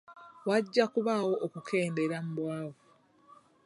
Wajja kubaawo okukendeera mu bwavu.